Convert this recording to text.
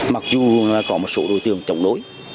mặc dù có một số đối tượng chống đối